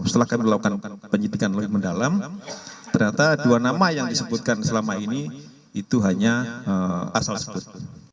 setelah kami melakukan penyidikan lebih mendalam ternyata dua nama yang disebutkan selama ini itu hanya asal sebut